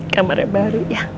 kamarnya baru ya